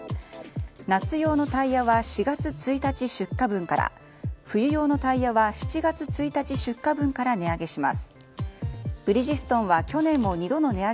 夏用のタイヤは４月１日出荷分から冬用のタイヤは７月１日出荷分から値上げします。